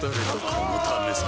このためさ